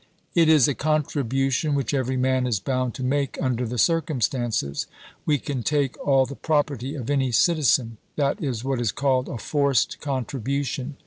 It is a contribution which every man is bound to make under the circumstances. We can take all the property of any citizen. Thatis what is called a forced contribution.